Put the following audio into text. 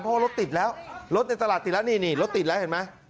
เพราะรถติดแล้วรถในตลาดติดแล้วนี่รถติดแล้วเห็นมั้ย